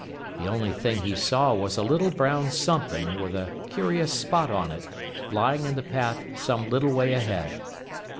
The only thing he saw was a little brown something with a curious spot on it lying in the path some little way ahead.